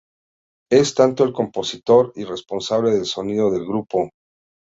Es tanto el compositor y responsable del sonido del grupo.